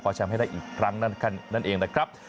แชมป์ให้ได้อีกครั้งนั่นเองนะครับ